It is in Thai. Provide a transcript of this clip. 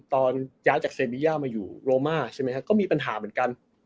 ตอนย้ายจากเซเบียมาอยู่โรมาก็มีปัญหาเหมือนกัน